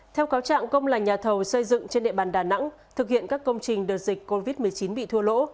theo cáo trạng công là nhà thầu xây dựng trên địa bàn đà nẵng thực hiện các công trình đợt dịch covid một mươi chín bị thua lỗ